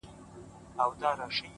درته خبره كوم;